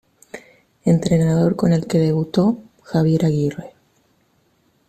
Entrenador con el que debutó: Javier Aguirre.